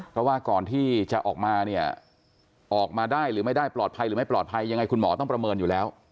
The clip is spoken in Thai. เพราะว่าก่อนที่จะออกมาเนี่ยออกมาได้หรือไม่ได้ปลอดภัยหรือไม่ปลอดภัยยังไงคุณหมอต้องประเมินอยู่แล้ว